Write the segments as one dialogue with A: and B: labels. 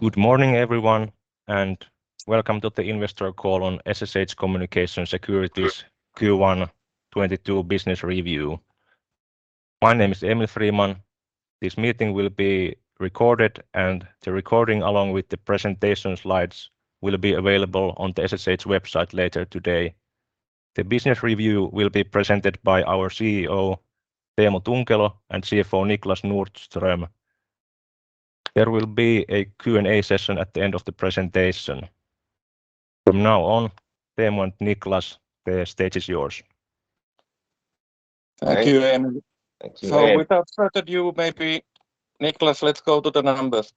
A: Good morning, everyone, and welcome to the investor call on SSH Communications Security's Q1 2022 business review. My name is Eemil Friman. This meeting will be recorded and the recording along with the presentation slides will be available on the SSH website later today. The business review will be presented by our Chief Executive Officer, Teemu Tunkelo, and Chief Financial Officer Niklas Nordström. There will be a Q&A session at the end of the presentation. From now on, Teemu and Niklas, the stage is yours.
B: Thank you, Eemil.
C: Thank you, Eemil.
B: Without further ado, maybe Niklas, let's go to the numbers.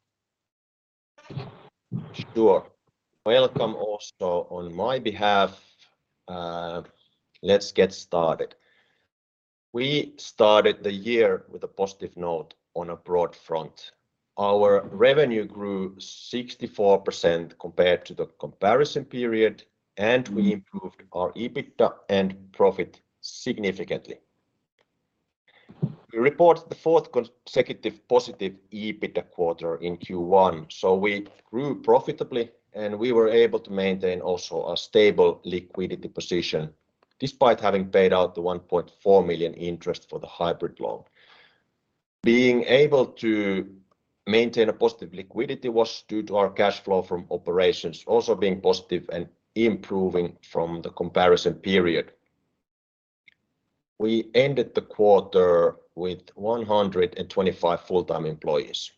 C: Sure. Welcome also on my behalf. Let's get started. We started the year with a positive note on a broad front. Our revenue grew 64% compared to the comparison period, and we improved our EBITDA and profit significantly. We report the fourth consecutive positive EBITDA quarter in Q1, so we grew profitably, and we were able to maintain also a stable liquidity position despite having paid out the 1.4 million interest for the hybrid loan. Being able to maintain a positive liquidity was due to our cash flow from operations also being positive and improving from the comparison period. We ended the quarter with 125 full-time employees.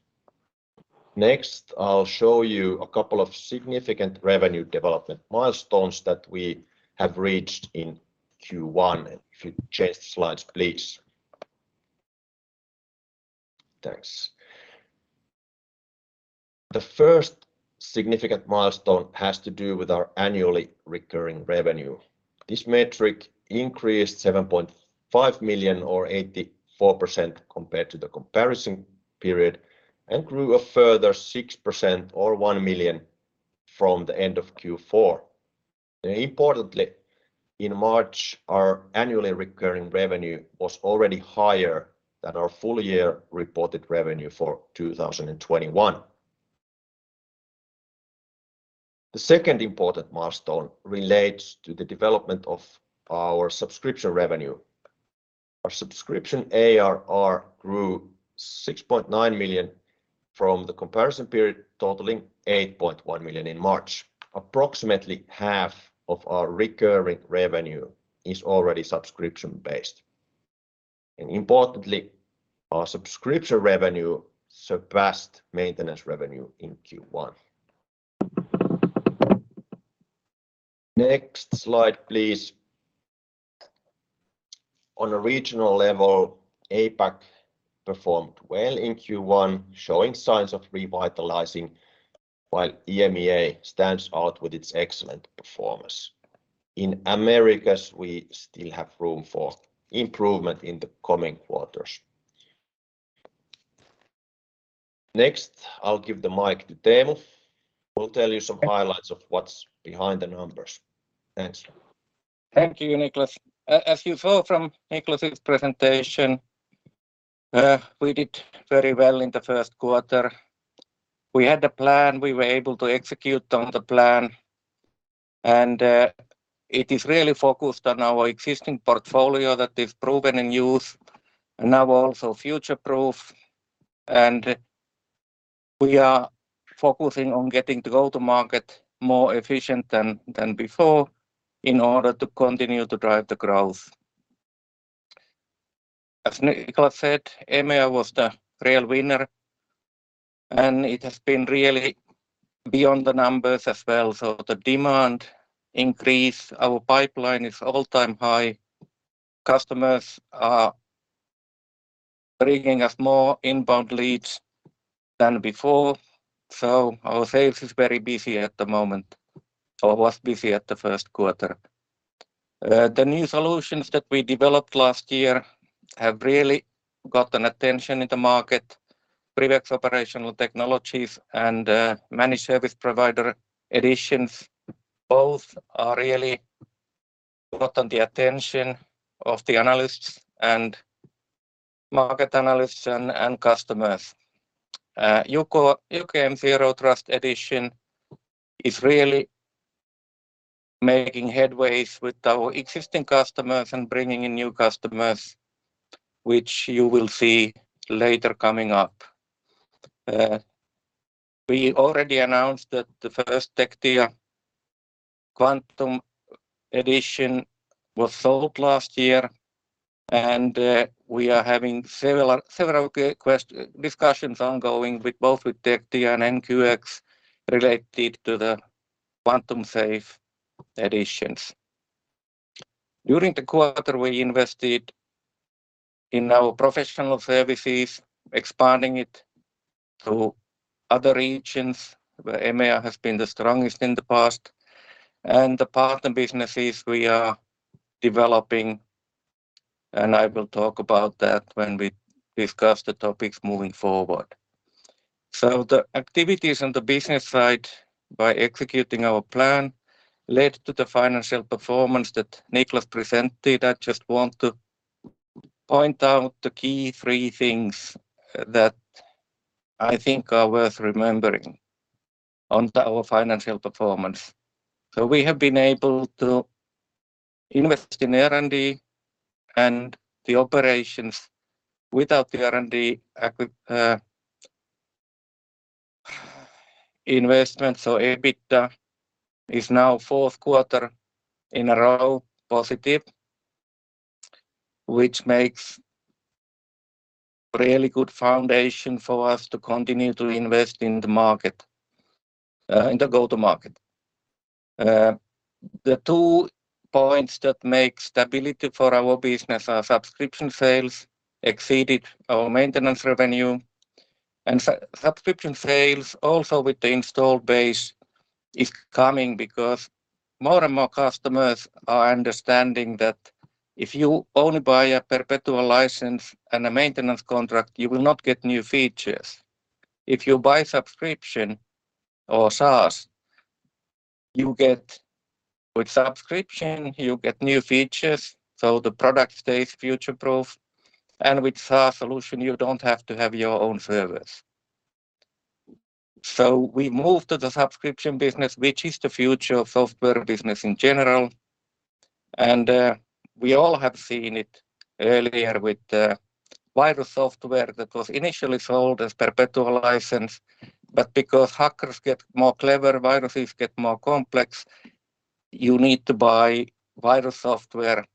C: Next, I'll show you a couple of significant revenue development milestones that we have reached in Q1. If you change the slides, please. Thanks. The first significant milestone has to do with our annually recurring revenue. This metric increased 7.5 million or 84% compared to the comparison period and grew a further 6% or 1 million from the end of Q4. Importantly, in March, our annually recurring revenue was already higher than our full-year reported revenue for 2021. The second important milestone relates to the development of our subscription revenue. Our subscription ARR grew 6.9 million from the comparison period totaling 8.1 million in March. Approximately half of our recurring revenue is already subscription-based. Importantly, our subscription revenue surpassed maintenance revenue in Q1. Next slide, please. On a regional level, APAC performed well in Q1, showing signs of revitalizing while EMEA stands out with its excellent performance. In Americas, we still have room for improvement in the coming quarters. Next, I'll give the mic to Teemu, who will tell you some highlights of what's behind the numbers. Thanks.
B: Thank you, Niklas. As you saw from Niklas' presentation, we did very well in the Q1. We had a plan. We were able to execute on the plan. It is really focused on our existing portfolio that is proven in use and now also future-proof. We are focusing on getting the go-to-market more efficient than before in order to continue to drive the growth. As Niklas said, EMEA was the real winner, and it has been really beyond the numbers as well. The demand increase, our pipeline is all-time high. Customers are bringing us more inbound leads than before, so our sales is very busy at the moment, or was busy at the Q1. The new solutions that we developed last year have really gotten attention in the market. PrivX Operational Technology and Managed Service Provider editions both are really gotten the attention of the analysts and market analysts and customers. UKM Zero Trust Edition is really making headway with our existing customers and bringing in new customers, which you will see later coming up. We already announced that the first Tectia Quantum Safe edition was sold last year, and we are having several customer discussions ongoing with both Tectia and NQX related to the Quantum Safe editions. During the quarter, we invested in our professional services, expanding it to other regions, where EMEA has been the strongest in the past, and the partner businesses we are developing, and I will talk about that when we discuss the topics moving forward. The activities on the business side by executing our plan led to the financial performance that Niklas presented. I just want to point out the key three things that I think are worth remembering on our financial performance. We have been able to invest in R&D and the operations without the R&D investment. EBITDA is now Q4 in a row positive, which makes really good foundation for us to continue to invest in the market, in the go-to-market. The two points that make stability for our business are subscription sales exceeded our maintenance revenue. Subscription sales also with the install base is coming because more and more customers are understanding that if you only buy a perpetual license and a maintenance contract, you will not get new features. If you buy subscription or SaaS, with subscription, you get new features, so the product stays future-proof. With SaaS solution, you don't have to have your own servers. We moved to the subscription business, which is the future of software business in general. We all have seen it earlier with virus software that was initially sold as perpetual license. Because hackers get more clever, viruses get more complex, you need to buy virus software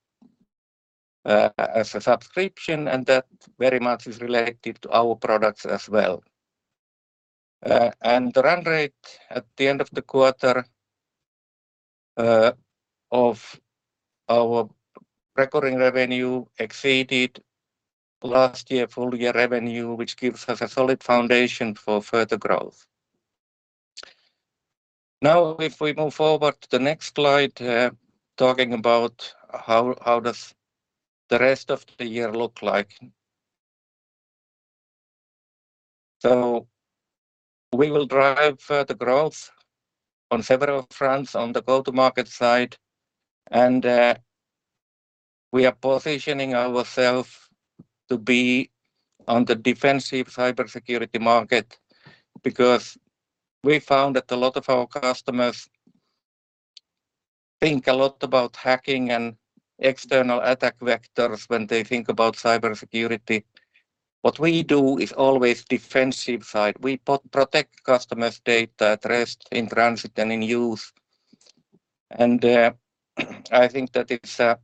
B: as a subscription, and that very much is related to our products as well. The run rate at the end of the quarter of our recurring revenue exceeded last year full year revenue, which gives us a solid foundation for further growth. Now, if we move forward to the next slide, talking about how does the rest of the year look like. We will drive further growth on several fronts on the go-to-market side, and we are positioning ourselves to be on the defensive cybersecurity market because we found that a lot of our customers think a lot about hacking and external attack vectors when they think about cybersecurity. What we do is always defensive side. We protect customers' data at rest, in transit, and in use. I think that it's a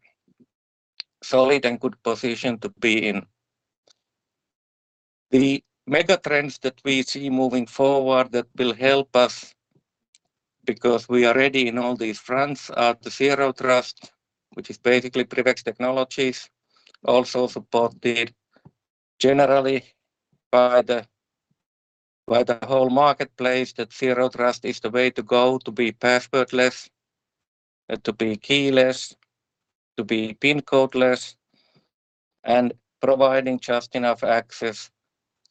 B: solid and good position to be in. The mega trends that we see moving forward that will help us because we are ready in all these fronts are the Zero Trust, which is basically PrivX technologies, also supported generally by the whole marketplace that Zero Trust is the way to go to be password-less, to be keyless, to be PIN codeless, and providing just enough access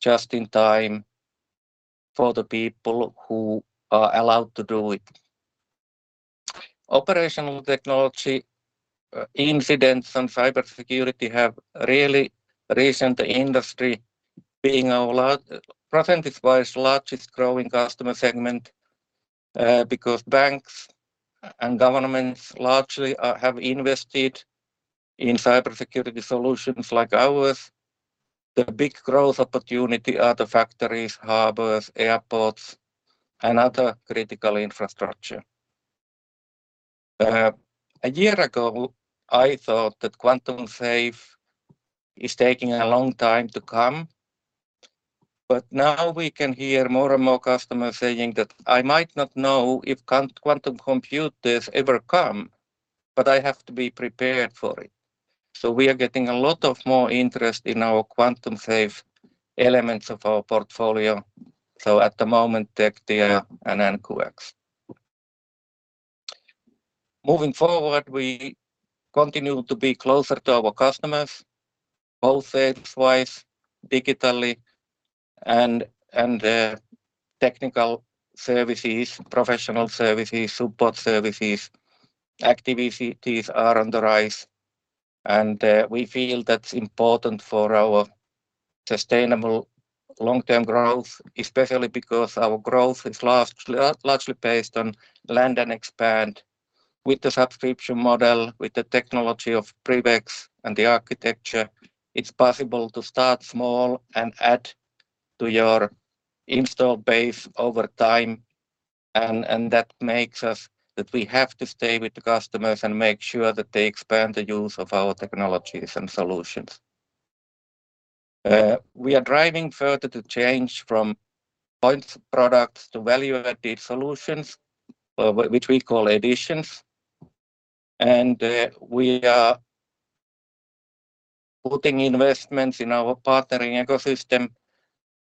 B: just in time for the people who are allowed to do it. Operational Technology incidents and cybersecurity have really recent industry being our percentage-wise largest growing customer segment, because banks and governments largely have invested in cybersecurity solutions like ours. The big growth opportunity are the factories, harbors, airports, and other critical infrastructure. A year ago, I thought that Quantum Safe is taking a long time to come, but now we can hear more and more customers saying that "I might not know if quantum computers ever come, but I have to be prepared for it." We are getting a lot more interest in our Quantum Safe elements of our portfolio, so at the moment, Tectia and NQX. Moving forward, we continue to be closer to our customers, both sales-wise, digitally and technical services, professional services, support services, activities are on the rise. We feel that's important for our sustainable long-term growth, especially because our growth is largely based on land and expand with the subscription model, with the technology of PrivX and the architecture. It's possible to start small and add to your install base over time, that makes us that we have to stay with the customers and make sure that they expand the use of our technologies and solutions. We are driving further to change from point products to value-added solutions, which we call editions. We are putting investments in our partnering ecosystem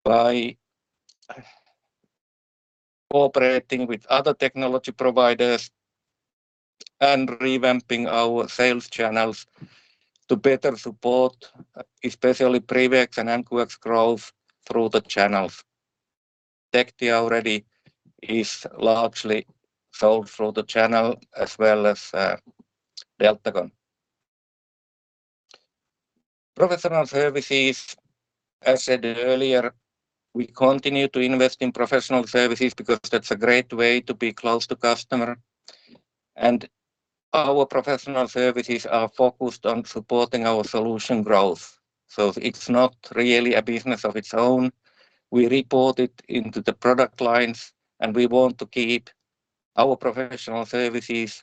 B: by cooperating with other technology providers and revamping our sales channels to better support especially PrivX and NQX growth through the channels. Tectia already is largely sold through the channel as well as Deltagon. Professional services, as said earlier, we continue to invest in professional services because that's a great way to be close to customer. Our professional services are focused on supporting our solution growth. It's not really a business of its own. We report it into the product lines, and we want to keep our professional services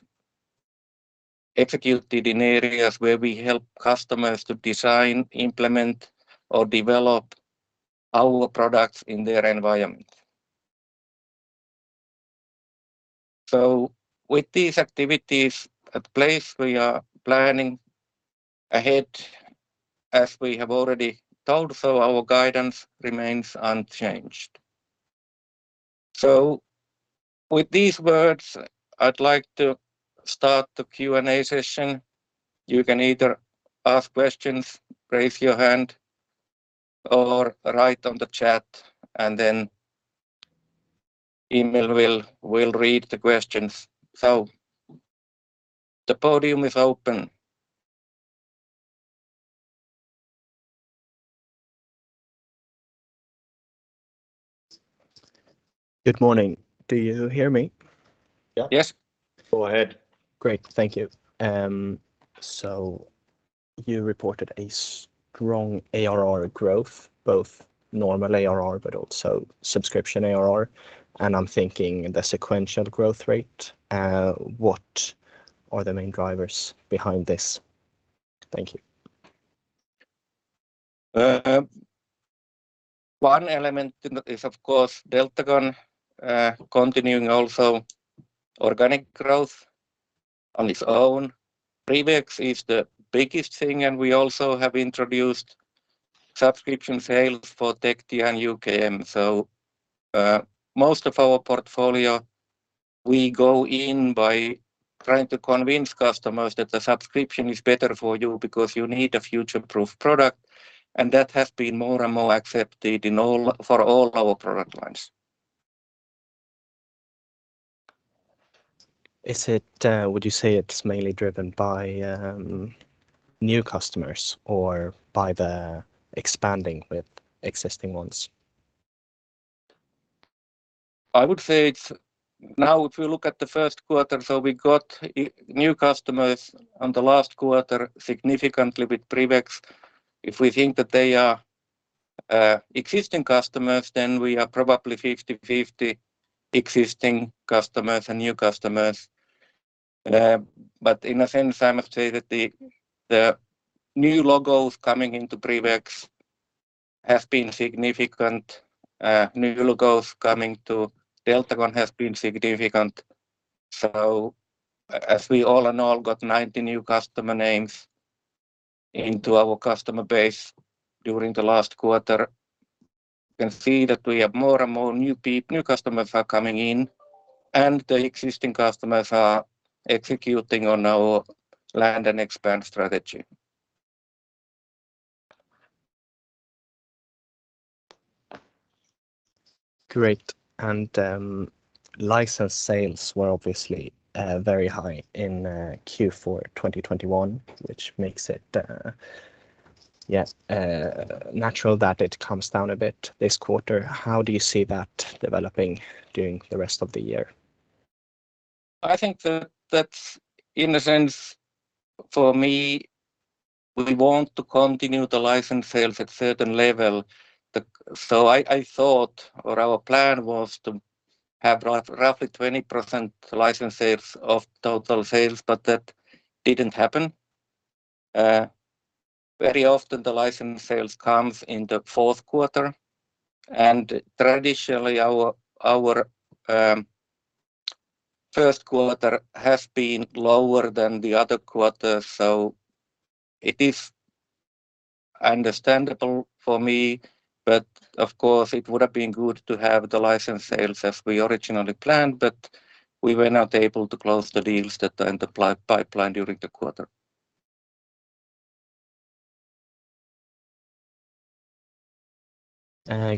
B: executed in areas where we help customers to design, implement, or develop our products in their environment. With these activities in place, we are planning ahead, as we have already told. Our guidance remains unchanged. With these words, I'd like to start the Q&A session. You can either ask questions, raise your hand, or write on the chat, and then Eemil will read the questions. The podium is open.
D: Good morning. Do you hear me?
B: Yeah. Yes. Go ahead.
D: Great. Thank you. So you reported a strong ARR growth, both normal ARR, but also subscription ARR. I'm thinking the sequential growth rate. What are the main drivers behind this? Thank you.
B: One element in that is, of course, Deltagon, continuing also organic growth on its own. PrivX is the biggest thing, and we also have introduced subscription sales for Tectia and UKM. Most of our portfolio, we go in by trying to convince customers that the subscription is better for you because you need a future-proof product. That has been more and more accepted for all our product lines.
D: Is it, would you say it's mainly driven by, new customers or by the expanding with existing ones?
B: I would say. Now, if you look at the Q1, we got new customers in the last quarter significantly with PrivX. If we think that they are existing customers, then we are probably 50/50 existing customers and new customers. But in a sense, I must say that the new logos coming into PrivX have been significant. New logos coming to Deltagon has been significant. All in all we got 90 new customer names into our customer base during the last quarter. You can see that we have more and more new customers are coming in, and the existing customers are executing on our land and expand strategy.
D: Great. License sales were obviously very high in Q4 2021, which makes it yeah natural that it comes down a bit this quarter. How do you see that developing during the rest of the year?
B: I think that that's, in a sense, for me, we want to continue the license sales at certain level. I thought, or our plan was to have roughly 20% license sales of total sales, but that didn't happen. Very often the license sales comes in the Q4, and traditionally our Q1 has been lower than the other quarters. It is understandable for me. Of course, it would have been good to have the license sales as we originally planned, but we were not able to close the deals that are in the pipeline during the quarter.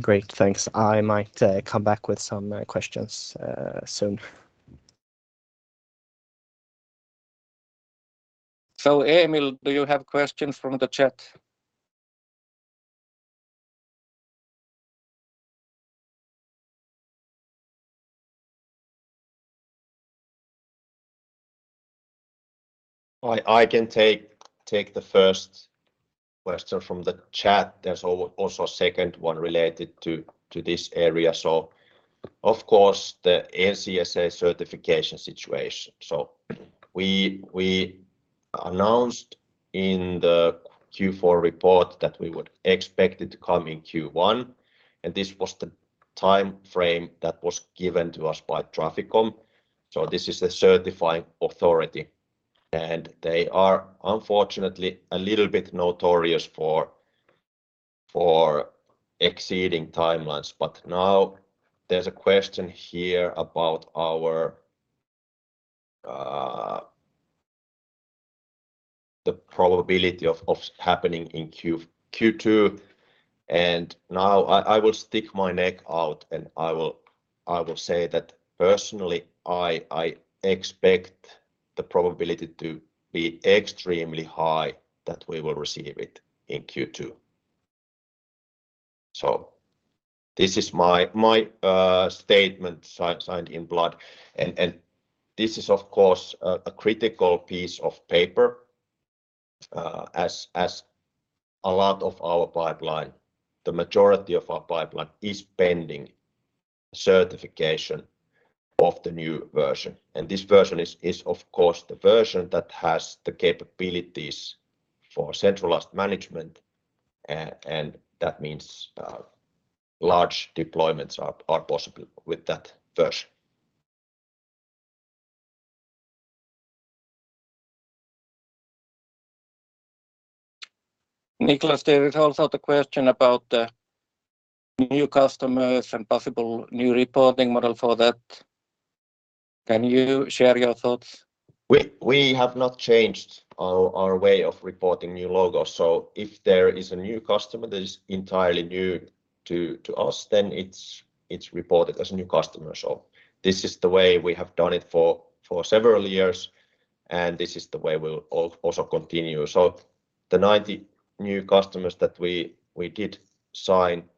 D: Great. Thanks. I might come back with some questions soon.
B: Eemil, do you have questions from the chat?
C: I can take the first question from the chat. There's also a second one related to this area. Of course, the NCSA certification situation. We announced in the Q4 report that we would expect it to come in Q1, and this was the timeframe that was given to us by Traficom. This is the certifying authority, and they are unfortunately a little bit notorious for exceeding timelines. Now there's a question here about the probability of happening in Q2. Now I will stick my neck out, and I will say that personally, I expect the probability to be extremely high that we will receive it in Q2. This is my statement signed in blood. This is, of course, a critical piece of paper, as a lot of our pipeline, the majority of our pipeline is pending certification of the new version. This version is, of course, the version that has the capabilities for centralized management and that means large deployments are possible with that version.
B: Niklas, there is also the question about the new customers and possible new reporting model for that. Can you share your thoughts?
C: We have not changed our way of reporting new logos. If there is a new customer that is entirely new to us, then it's reported as a new customer. This is the way we have done it for several years, and this is the way we'll also continue. The 90 new customers that we did sign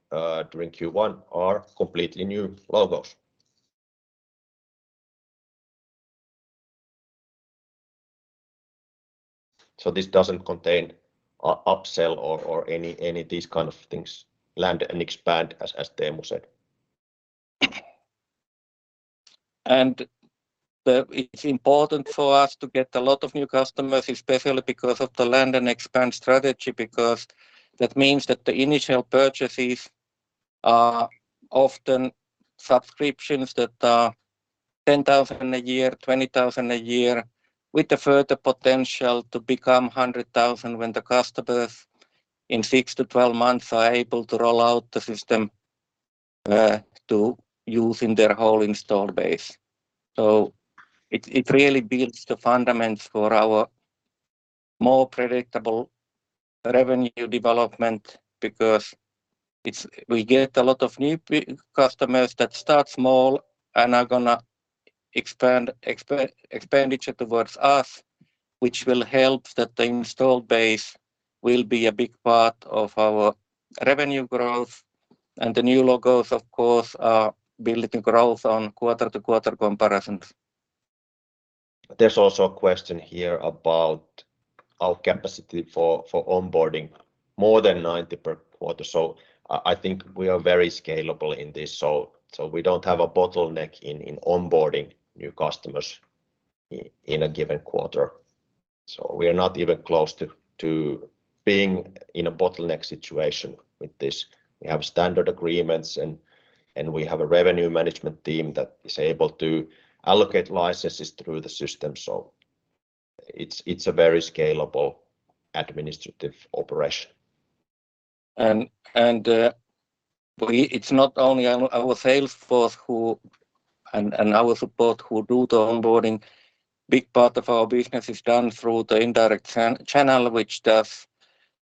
C: during Q1 are completely new logos. This doesn't contain upsell or any these kind of things. Land and expand as Teemu said.
B: It's important for us to get a lot of new customers, especially because of the land and expand strategy, because that means that the initial purchases are often subscriptions that are 10,000 a year, 20,000 a year, with the further potential to become 100,000 when the customers in six to 12 months are able to roll out the system, to use in their whole install base. It really builds the fundamentals for our more predictable revenue development because we get a lot of new customers that start small and are gonna expand expenditure towards us, which will help that the install base will be a big part of our revenue growth. The new logos, of course, are building growth on quarter-to-quarter comparisons.
C: There's also a question here about our capacity for onboarding more than 90 per quarter. I think we are very scalable in this. We don't have a bottleneck in onboarding new customers in a given quarter. We are not even close to being in a bottleneck situation with this. We have standard agreements and we have a revenue management team that is able to allocate licenses through the system. It's a very scalable administrative operation.
B: It's not only our sales force and our support who do the onboarding. Big part of our business is done through the indirect channel, which does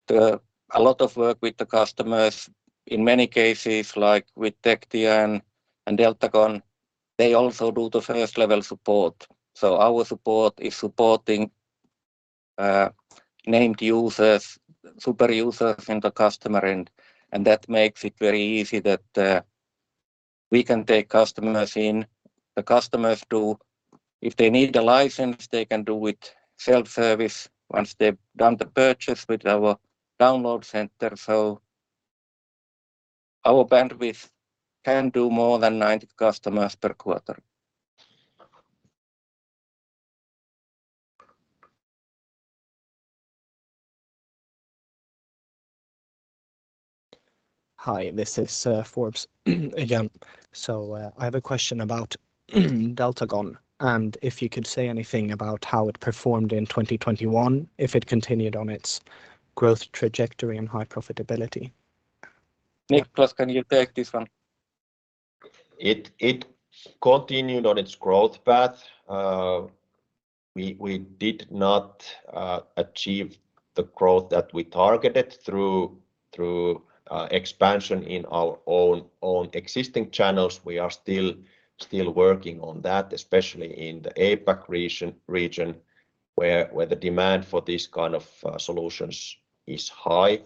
B: a lot of work with the customers. In many cases, like with Tectia and Deltagon, they also do the first-level support. Our support is supporting named users, super users and the customer and that makes it very easy that we can take customers in. If they need a license, they can do it self-service once they've done the purchase with our download center. Our bandwidth can do more than 90 customers per quarter.
D: Hi, this is Forbes again. I have a question about Deltagon, and if you could say anything about how it performed in 2021, if it continued on its growth trajectory and high profitability.
B: Niklas, can you take this one?
C: It continued on its growth path. We did not achieve the growth that we targeted through expansion in our own existing channels. We are still working on that, especially in the APAC region, where the demand for these kind of solutions is high.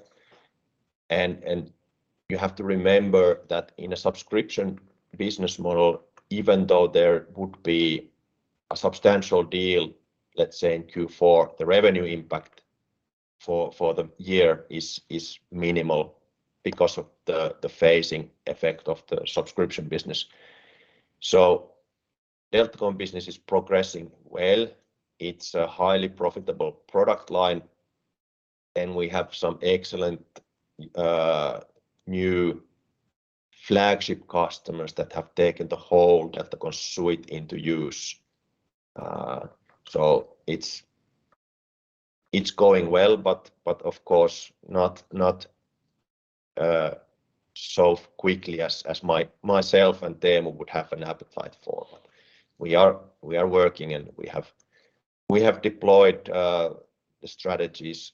C: You have to remember that in a subscription business model, even though there would be a substantial deal, let's say in Q4, the revenue impact for the year is minimal because of the phasing effect of the subscription business. Deltagon business is progressing well. It's a highly profitable product line, and we have some excellent new flagship customers that have taken the whole Deltagon suite into use. It's going well, but of course not so quickly as myself and Teemu would have an appetite for. We are working and we have deployed the strategies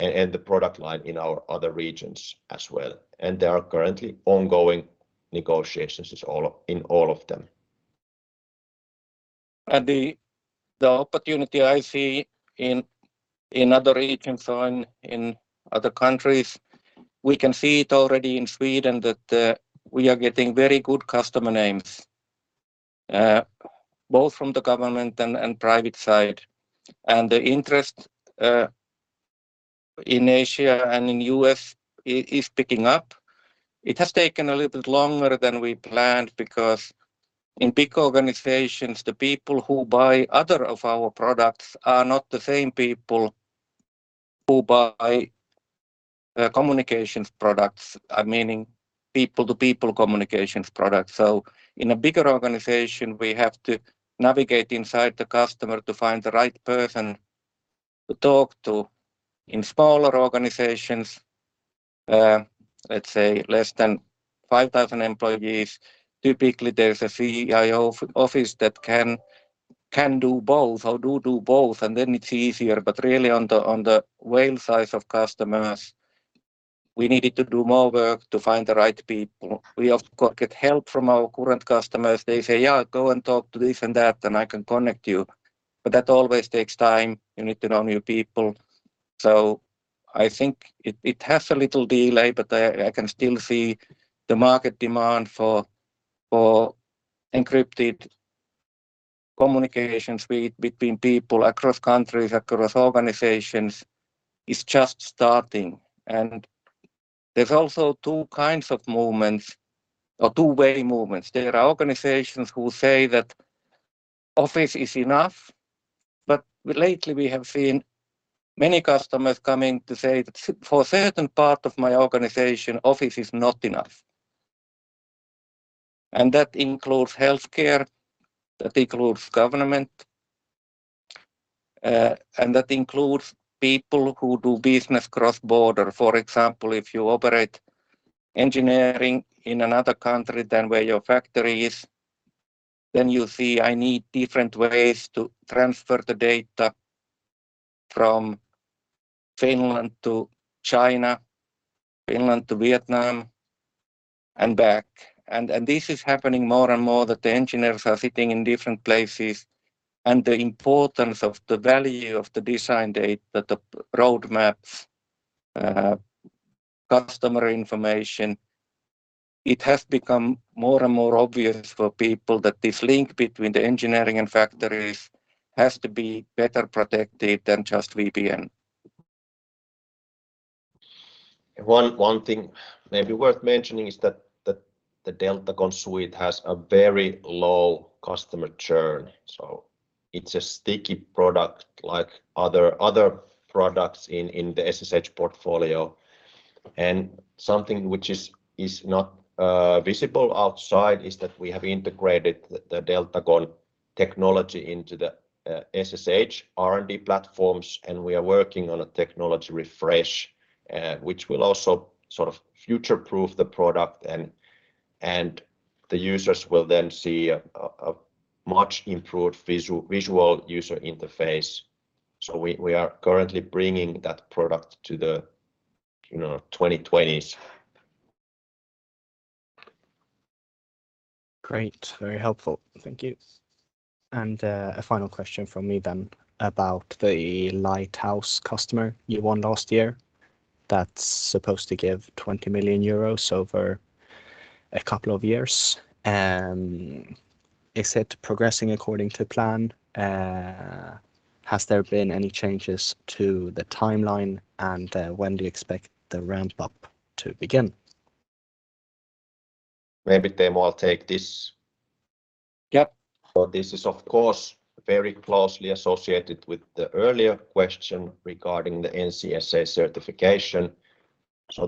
C: and the product line in our other regions as well. There are currently ongoing negotiations in all of them.
B: The opportunity I see in other regions or in other countries, we can see it already in Sweden that we are getting very good customer names both from the government and private side. The interest in Asia and in US is picking up. It has taken a little bit longer than we planned because in big organizations, the people who buy other of our products are not the same people who buy communications products, meaning people-to-people communications products. In a bigger organization, we have to navigate inside the customer to find the right person to talk to. In smaller organizations, let's say less than 5,000 employees, typically there's a CIO office that can do both, and then it's easier. Really on the whale size of customers, we needed to do more work to find the right people. We of course get help from our current customers. They say, "Yeah, go and talk to this and that, and I can connect you." That always takes time. You need to know new people. I think it has a little delay, but I can still see the market demand for encrypted communications between people across countries, across organizations is just starting. There's also two kinds of movements or two-way movements. There are organizations who say that office is enough, but lately we have seen many customers coming to say that for a certain part of my organization, office is not enough. That includes healthcare, that includes government, and that includes people who do business cross-border. For example, if you operate engineering in another country than where your factory is, then you see I need different ways to transfer the data from Finland to China, Finland to Vietnam and back. This is happening more and more that the engineers are sitting in different places, and the importance of the value of the design data, the roadmaps, customer information, it has become more and more obvious for people that this link between the engineering and factories has to be better protected than just VPN.
C: One thing maybe worth mentioning is that the Deltagon suite has a very low customer churn, so it's a sticky product like other products in the SSH portfolio. Something which is not visible outside is that we have integrated the Deltagon technology into the SSH R&D platforms, and we are working on a technology refresh, which will also sort of future-proof the product and the users will then see a much improved visual user interface. We are currently bringing that product to the, you know, 2020s.
D: Great. Very helpful. Thank you. A final question from me then about the Lighthouse customer you won last year that's supposed to give 20 million euros over a couple of years. Is it progressing according to plan? Has there been any changes to the timeline, and when do you expect the ramp-up to begin?
C: Maybe, Teemu, I'll take this.
B: Yep.
C: This is of course very closely associated with the earlier question regarding the NCSA certification.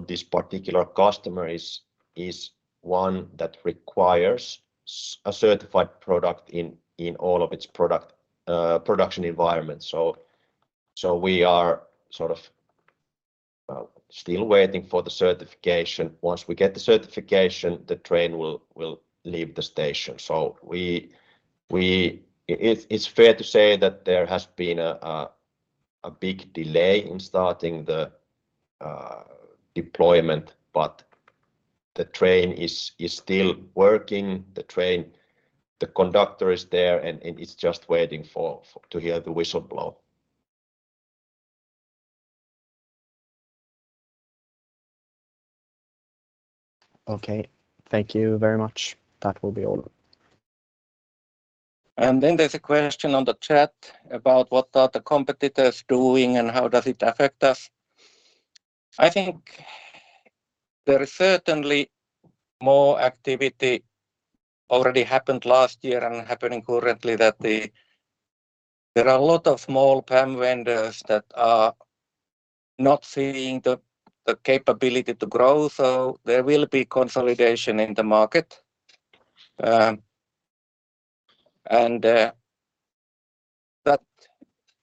C: This particular customer is one that requires a certified product in all of its production environment. We are sort of still waiting for the certification. Once we get the certification, the train will leave the station. It's fair to say that there has been a big delay in starting the deployment, but the train is still working. The conductor is there, and it's just waiting to hear the whistle blow.
D: Okay. Thank you very much. That will be all.
B: There's a question on the chat about what are the competitors doing, and how does it affect us. I think there is certainly more activity already happened last year and happening currently. There are a lot of small PAM vendors that are not seeing the capability to grow. There will be consolidation in the market. That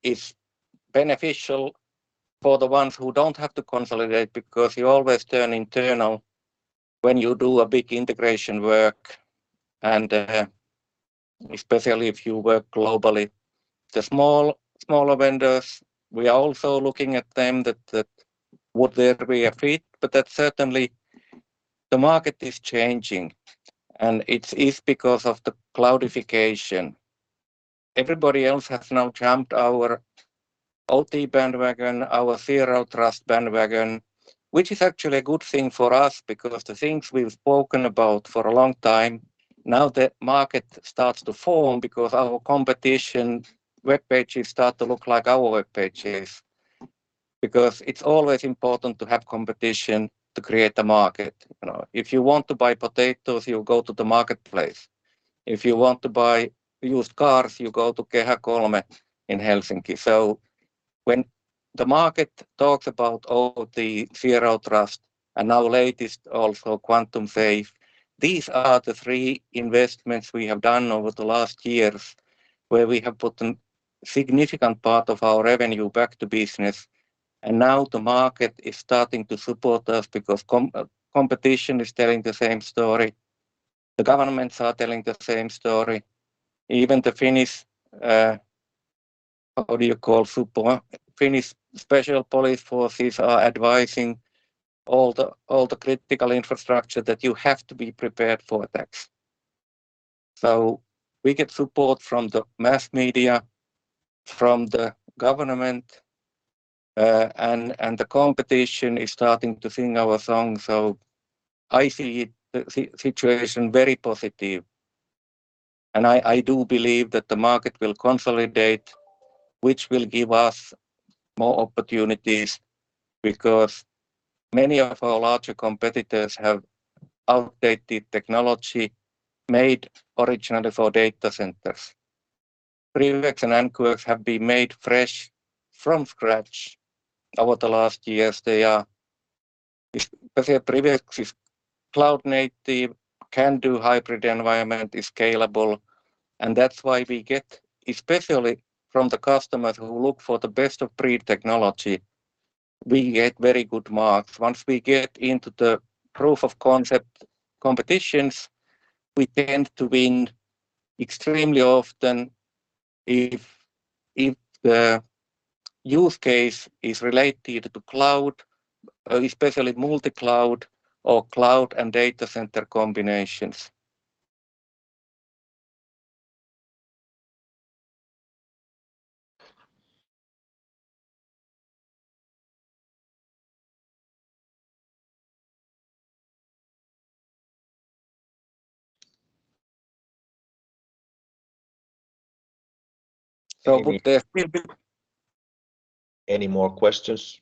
B: is beneficial for the ones who don't have to consolidate because you always turn internal when you do a big integration work, and especially if you work globally. The smaller vendors, we are also looking at them that would there be a fit, but that certainly the market is changing and it is because of the cloudification. Everybody else has now jumped our OT bandwagon, our Zero Trust bandwagon, which is actually a good thing for us because the things we've spoken about for a long time, now the market starts to form because our competition webpages start to look like our webpages. It's always important to have competition to create a market. You know, if you want to buy potatoes, you go to the marketplace. If you want to buy used cars, you go to Kehä kolme in Helsinki. When the market talks about all the Zero Trust and now latest also Quantum Safe, these are the three investments we have done over the last years where we have put a significant part of our revenue back to business. Now the market is starting to support us because competition is telling the same story. The governments are telling the same story. Even the Finnish, what do you call Supo? Finnish special police forces are advising all the critical infrastructure that you have to be prepared for attacks. We get support from the mass media, from the government, and the competition is starting to sing our song. I see the situation very positive. I do believe that the market will consolidate, which will give us more opportunities because many of our larger competitors have outdated technology made originally for data centers. PrivX and NQX have been made fresh from scratch over the last years. They are, especially PrivX is cloud-native, can do hybrid environment, is scalable, and that's why we get, especially from the customers who look for the best of breed technology, we get very good marks. Once we get into the proof of concept competitions, we tend to win extremely often if the use case is related to cloud, especially multi-cloud or cloud and data center combinations. With that
C: Any more questions?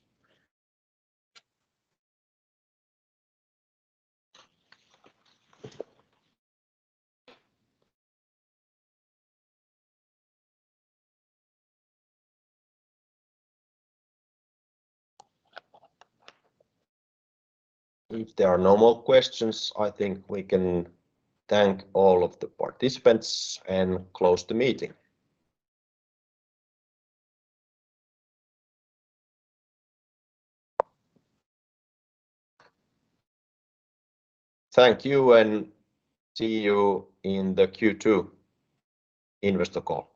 C: If there are no more questions, I think we can thank all of the participants and close the meeting. Thank you, and see you in the Q2 investor call.